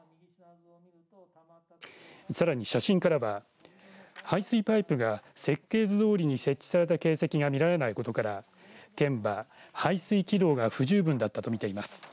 さらに写真からは排水パイプが設計図どおりに設置された形跡がみられないことから県は排水機能が不十分だったとみています。